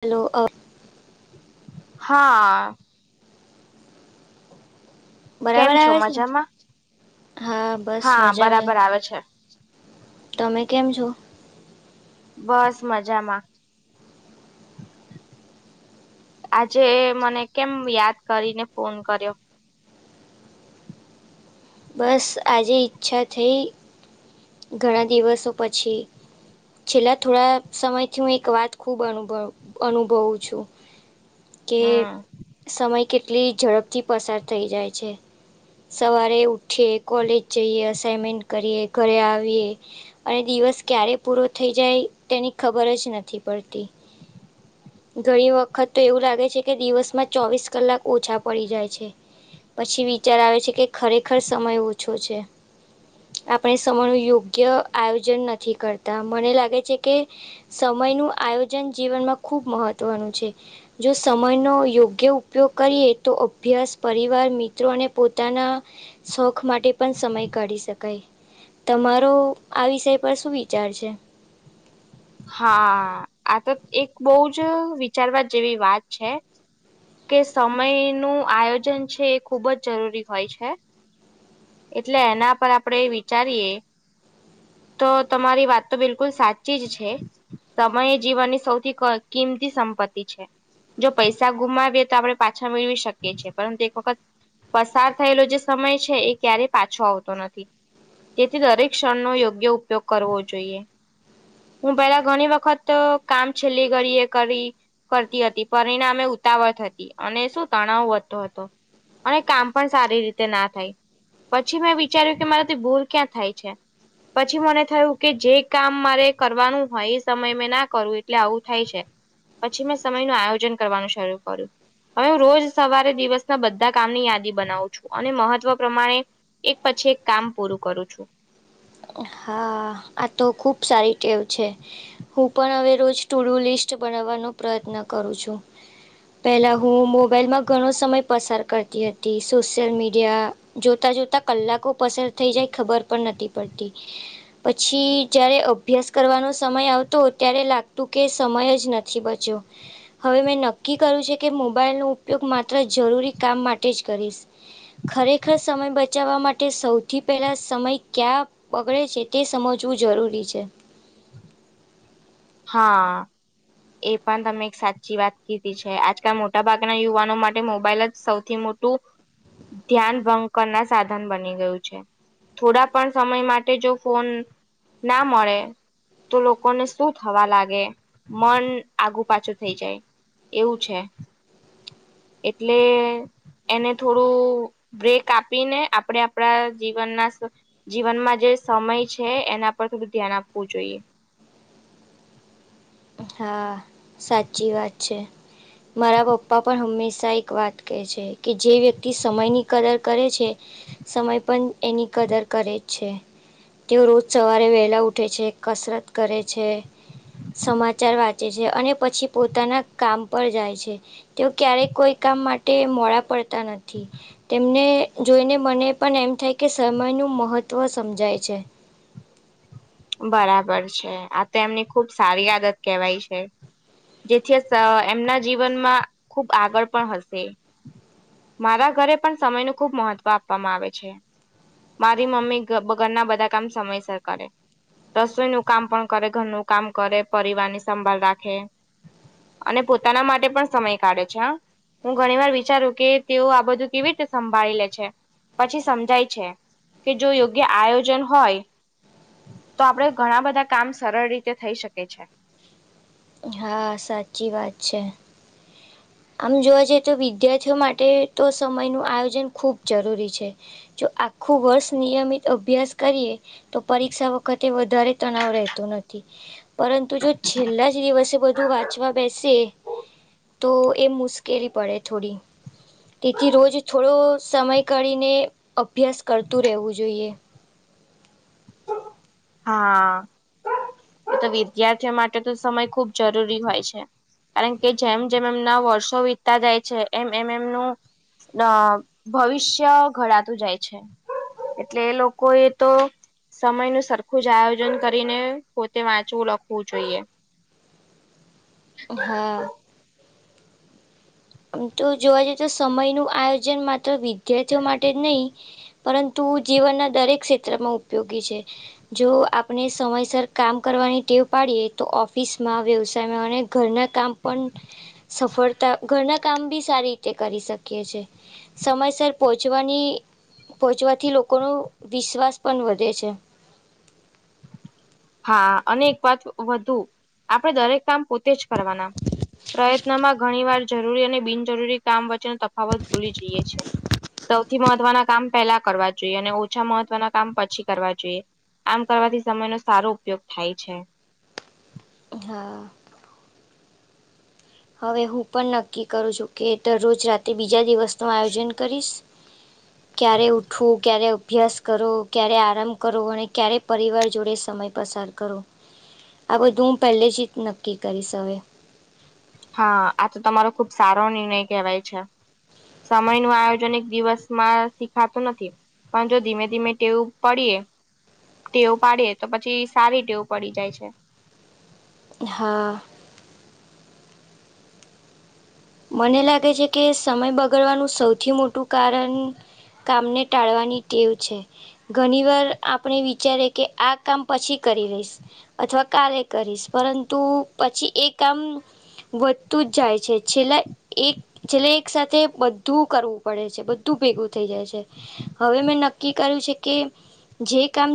Hello અફ. હા. કેમ બરાબર છો આવે છે મજામાં હા બસ હા મજામાં બરાબર આવે છે. તમે કેમ છો. બસ મજામાં. આજે મને કેમ યાદ કરીને ફોન કર્યો. બસ આજે ઈચ્છા થઈ ઘણા દિવસો પછી. છેલ્લા થોડા સમયથી હું એક વાત ખૂબ અનુભવ અનુભવું છું. કે. હમ સમય કેટલી ઝડપથી પસાર થઈ જાય છે સવારે. ઉઠી કોલેજ જઈએ અસાઇનમેન્ટ કરીએ ઘરે આવીએ. અને દિવસ ક્યારે પૂરો થઈ જાય તેની ખબર જ નથી પડતી. ઘણી વખત તો એવું લાગે છે કે દિવસમાં ચોવીસ કલાક ઓછા પડી જાય છે. પછી વિચાર આવે છે કે ખરેખર સમય ઓછો છે. આપણે સમય નું યોગ્ય આયોજન નથી કરતા મને લાગે છે કે. સમય નું આયોજન જીવનમાં ખુબ મહત્વનું છે. જો સમયનો યોગ્ય ઉપયોગ કરીએ તો અભ્યાસ પરિવાર મિત્રો અને પોતાના. શોખ માટે પણ સમય કાઢી શકાય. તમારો આ વિષય પર શું વિચાર છે? હા આ તો એક બહુ જ વિચારવા જેવી વાત છે. કે સમય નું આયોજન છે એ ખુબ જ જરૂરી હોય છે. એટલે એના પર આપણેે વિચારીએ. તો તમારી વાત તો બિલકુલ સાચી જ છે. સમય એ જીવનની સૌથી કિંમતી સંપત્તિ છે. જો પૈસા ગુમાવીએ તો આપણે પાછા મેળવી શકીએ છીએ પરંતુ એક વખત. પસાર થયેલો જે સમય છે એ ક્યારે પાછો આવતો નથી. તેથી દરેક ક્ષણનોો યોગ્ય ઉપયોગ કરવો જોઈએ. હું પેલા ઘણી વખત કામ છેલ્લી ઘડી એ કરી કરતી હતી પરિણામે ઉતાવત હતી અને શું તણાવ વધતો હતો. અને કામ પણ સારી રીતે ના થાય. પછી મેં વિચાર્યું કે મારાથી ભૂલ ક્યાં થાય છે. પછી મને થયું કે જે કામ મારે કરવાનું હોય એ સમય મેં ના કરવું એટલે આવું થાય છે. પછી મેં સમય નુ આયોજન કરવાનું શરૂ કર્યું. હવે હું રોજ સવારે દિવસના બધા કામની યાદી બનાવું છું અને મહત્વ પ્રમાણે એક પછી એક કામ પૂરું કરું છું. હા આ તો ખૂબ સારી ટેવ છે. હું પણ હવે રોજ થોડું લિસ્ટ બનાવાનો પ્રયત્ન કરું છું. પહેલાં હું મોબાઈલમાં ઘણો સમય પસાર કરતી હતી સોશિયલ મીડિયા જોતા જોતા કલાકો પસાર થઈ જાય ખબર પણ નથી પડતી. પછી જારે અભ્યાસ કરવાનો સમય આવતો ત્યારે લાગતું કે સમય જ નથી બચ્યો. હવે મેં નક્કી કર્યું છે કે મોબાઈલનો ઉપયોગ માત્ર જરૂરી કામ માટે જ કરીશ. ખરેખર સમય બચાવવા માટે સૌથી પહેલાં સમય કયાં બગડે છે તે સમજવું જરૂરી છે. હા. એ પણ તમે એક સાચી વાત કીધી છે આજકાલ મોટાભાગના યુવાનો માટે મોબાઈલ જ સૌથી મોટ ટુ ધ્યાન ભક ના સાધન બની ગયું છે. થોડા પણ સમય માટે જો ફોન ના મળે તો લોકોને શું થવા લાગે મન આગુ પાછું થઈ જાય એવું છે. એટલે એને થોડું બ્રેક આપીને આપણે આપણા જીવનના જીવનમાં જે સમય છે એના પર થોડું ધ્યાન આપવું જોઈએ. હા સાચી વાત છે. મારા પપ્પા પણ હંમેશા એક વાત કહે છે કે જે વ્યક્તિ સમયની કદર કરે છે સમય પણ એની કદર કરે જ છે. તેઓ રોજ સવારે વહેલા ઉઠે છે કસરત કરે છે સમાજ ચાર વાંચે છે અને પછી પોતાના કામ પર જાય છે. તેઓ ક્યારેય કોઈ કામ માટે મોડા પડતા નથી તેમને જોઈને મને પણ એમ થાય કે સમય નું મહત્વ સમજાય છે. બરાબર છે આ તો એમની ખુબ સારી આદત કેવાય છે. જેથી એમના જીવનમાં ખૂબ આગળ પણ હશે. મારા ઘરે પણ સમય ન ખુબ મહત્વ આપવામાં આવે છે. મારી મમ્મી ઘરના બધા કામ સમયસર કરે. રસોઈ નું કામ પણ કરે ઘરનું કામ કરે પરિવાર ની સંભાળ રાખે અને પોતાના માટે પણ સમય કાઢે છે. હું ઘણી વાર વિચારું કે તેઓ આ બધું કેવી રીતે સંભાળી લે છે પછી સમજાય છે કે જો યોગ્ય આયોજન હોય તો આપડે ઘણા બધા કામ સરળ રીતે થઈ શકે છે. હા સાચી વાત છે. આમ જોવા જઈએ તો વિદ્યાર્થીઓ માટે તો સમયનું આયોજન ખૂબ જરૂરી છે. જો આખું વર્ષ નિયમિત અભ્યાસ કરીએ તો પરીક્ષા વખતે વધારે તણાવ રહેતો નથી. પરંતુ જો છેલ્લા જ દિવસે બધું વાંચવા બેસે તો એ મુશ્કેલી પડે થોડી. તેથી રોજ થોડો સમય કાઢીને અભ્યાસ કરતું રહેવું જોઈએ. હા. તો વિદ્યાર્થીઓ માટે તો સમય ખુબ જરૂરી હોય છે. કારણ કે જેમ જેમ એમના વર્ષો વીતતા જાય છે એમ એમ એમનું અ ભવિષ્ય ઘડાતું જાય છે એટલે એ લોકો એ તો સમય નું સરખું જ આયોજન કરીને પોતે વાંચવું લખવું જોઈએ. હાં. આમ તો જોવા જઈએ તો સમય નું આયોજન માત્ર વિદ્યાર્થીઓ માટે જ નહી પરંતુ જીવનના દરેક ક્ષેત્રમાં ઉપયોગી છે. જો આપણે સમયસર કામ કરવાની ટેવ પાડીએ તો ઓફિસમાં વ્યવસાયમાં અને ઘરનાં કામ પણ સફળતા ઘરના કામ બી સારી રીતે કરી શકીએ સમયસર પહોંચવાની પહોંચવાથી લોકોનો વિશ્વાસ પણ વધે છે. હા અને એક વાત વધુ આપણેે દરેક કામ પોતે જ કરવાના. પ્રયત્નમાં ઘણી વાર જરૂરી અને બિનજરૂરી કામ વચ્ચેનો તફાવત ભૂલી જઈએ છે. સૌથી મહત્વના કામ પેલા કરવા જોઈએ અને ઓછા મહત્વના કામ પછી કરવા જોઈએ. આમ કરવાથી સમયનો સારો ઉપયોગ થાય છે. હાં. હવે હું પણ નક્કી કરું છું કે દરરોજ રાત્રે બીજા દિવસ નું આયોજન કરીશ. ક્યારે ઉઠવું ક્યારે અભ્યાસ કરો ક્યારે આરામ કરો અને ક્યારે પરિવાર જોડે સમય પસાર કરો. આ બધું હું પહેલે જ જ નક્કી કરીશ અવે. હા આ તો તમારો ખુબ સારો નિર્ણય કેહેવાય છે. સમય નું આયોજન એક દિવસમાં શીખાતું નથી. પણ જો ધીમે ધીમે ટેવું પડીએ ટેવું પાડીએ તો પછી સારી ટેવું પડી જાય છે. હા મને લાગે છે કે સમય બગડવાનું સૌથી મોટું કારણ કામને ટાળવાની ટેવ છે. ઘણી વાર આપણે વિચારે કે આ કામ પછી કરી લઈશ. અથવા ક્ય કરીશ પરંતુ પછી એ કામ વધતું જ જાય છે. છેલ્લા એક છેલ્લા એક સાથે બધું કરવું પડે છે બધું ભેગું થઈ જાય છે. હવે મેં નક્કી કર્યું છે કે જે કામ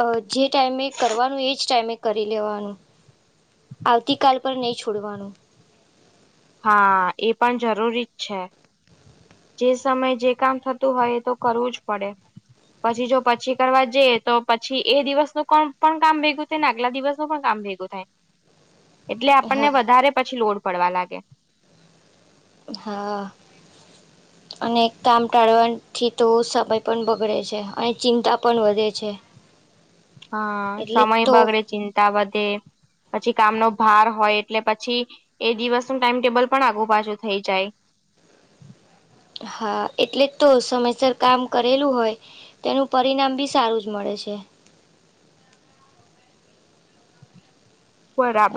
અ જે ટાઈમે કરવાનું એ જ ટાઈમે કરી લેવાનું. આવતીકાલ પર નહીં છોડવાનું હા એ પણ જરૂરી જ છે. જે સમયે જે કામ થતું હોય તો કરવું જ પડે. પછી જો પછી કરવા જઈ તો પછી એ દિવસનુંું કોણ પણ કામ ભેગું તેને આગલા દિવસ નું પણ કામ ભેગું થાય. હ એટલે આપણને વધારે પછી લોડ પડવા લાગે. હાં. અને કામ ટાળવાથી તો સમય પણ બગડે છે અને ચિંતા પણ વધે છે. [inaudible] હા એટલે જ સમય તો બગડે ચિંતા વધે. પછી કામનોો ભાર હોય એટલે પછી એ દિવસ ન ટાઈમટેબલ પણ આગુબાજુ થઈ જાય. હા એટલે જ તો સમયસર કામ કરેલું હોય. તેનું પરિણામ બી સારું જ મળે છે.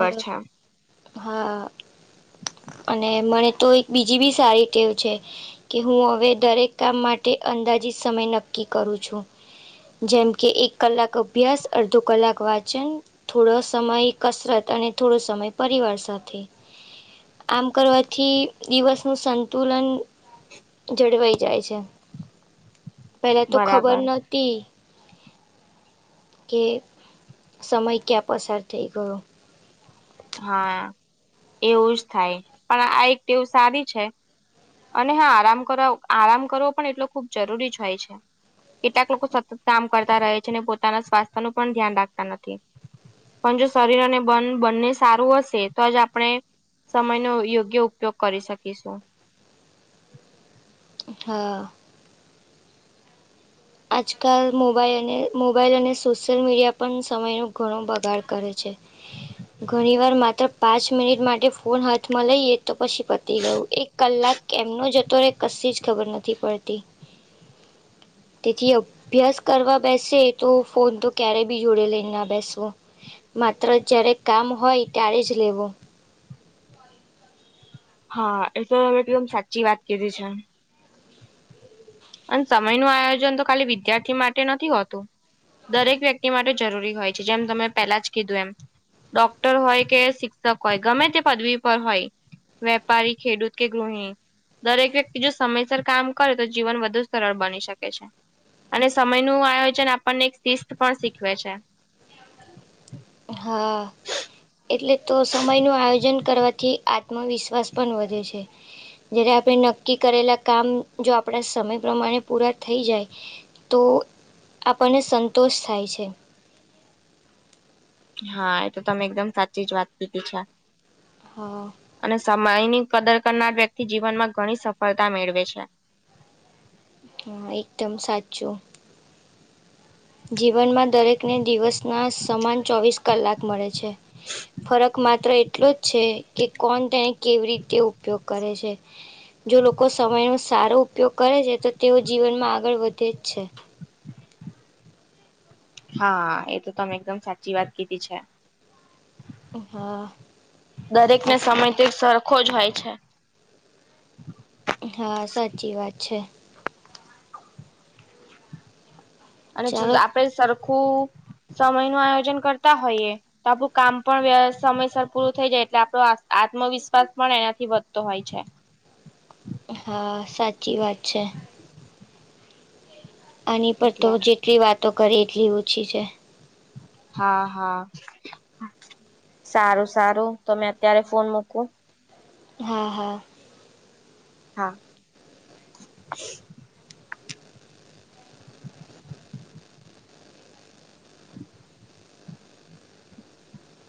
અ છે. હા અને મને તો એક બીજી બી સારી ટેવ છે. કે હું હવે દરેક કામ માટે અંદાજીત સમય નક્કી કરું છું. જેમ કે એક કલાક અભ્યાસ અડધો કલાક વાંચન. થોડો સમય કસરત અને થોડો સમય પરિવાર સાથે. આમ કરવાથી દિવસ નું સંતુલન જળવાઈ જાય છે. પેલા તો ખબર બરાબર નથ તે કે સમય ક્યાં પસાર થઈ ગયો. હા એવું જ થાય પણ આ એક ટેવ સારી છે. અને હા આરામ કર આરામ કરવો પણ એટલો ખુબ જરૂરી જ હોય છે. કેટલાક લોકો સતત કામ કરતા રહે છે અને પોતાના સ્વાસ્થ્ય નું પણ ધ્યાન રાખતા નથી. પણ જો શરીર અને બન બંને સારું હશે તો જ આપણે. સમય નો યોગ્ય ઉપયોગ કરી શકીશું. હા. આજકાલ મોબાઈલ અને મોબાઈલ અને સોશિયલ મીડિયા પણ સમયનો ઘણો બગાડ કરે છે. ઘણી વાર માત્ર પાંચ મિનિટ માટે ફોન હાથમાં લઈએ તો પછી પતી ગયું એક. કલાક એમનો જતો રહે કશી જ ખબર નથી પડતી. તેથી અભ્યાસ કરવા બેસે તો ફોન તો ક્યારેય બી જોડે લઈ ના બેસવો. માત્ર જ્યારે કામ હોય ત્યારે જ લેવો. હા એ તો એકદમ સાચી વાત કીધી છે. અને સમય નું આયોજન તો ખાલી વિદ્યાર્થી માટે નથી હોતું. દરેક વ્યક્તિ માટે જરૂરી હોય છે જેમ તમે પેલા જ કીધું એમ. ડોક્ટર હોય કે શિક્ષક હોય ગમે તે પદવી પર હોય. વેપારી ખેડૂત કે ગૃહણી દરેક વ્યક્તિ જો સમયસર કામ કરે તો જીવન વધ વધુ સરળ બની શકે છે અને સમય નું આયોજન આપણને એક શિસ્ત પણ શીખવે છે. હા એટલે તો સમયનું આયોજન કરવાથી આ આત્મવિશ્વાસ પણ વધે છે. જ્યારે આપણે નક્કી કરેલા કામ જો આપણા સમય પ્રમાણે પૂરા થઈ જાય. તો આપણને સંતોષ થાય છે. હા એ તો તમે એકદમ સાચી જ વાત કીધી છે. હા. અને સમયની કદર કરનાર વ્યક્તિ જીવનમાં ઘણી સફળતા મેળવે છે. હા એકદમ સાચું. જીવનમાં દરેકને દિવસના સમાન ચોવીસ કલાક મળે છે. ફરક માત્ર એટલો જ છે કે કોણ તેને કેવી રીતે ઉપયોગ કરે છે. જો લોકો સમયનો સારો ઉપયોગ કરે છે તો તેઓ જીવનમાં આગળ વધે જ છે. હા એ તો તમે એકદમ સાચી વાત કીધી છે. હા દરેકને અને સમયથી સરખો જ હોય છે. હા સાચી વાત છે. અને ચાલો આપડ સરખું સમય નું આયોજન કરતા હોઈએ. તો આપણું કામ પણ સમયસર પૂરું થઈ જાય એટલે આપણો આત્મવિશ્વાસ પણ એનાથી વધતો હોય છે. હા સાચી વાત છે. આની પર તો એટલે જેટલી વાતો કરે એટલી ઓછી છે. હા હા સારું સારું તમે અત્યારે ફોન મૂકુ હા હા. હા.